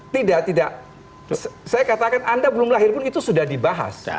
tidak tidak saya katakan anda belum lahir pun itu sudah dibahas